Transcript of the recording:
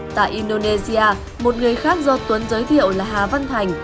tại indonesia một người khác do tuấn giới thiệu là hà văn thành